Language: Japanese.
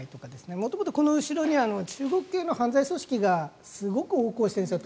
元々、この後ろに中国系の犯罪組織がすごく横行しているんですよ。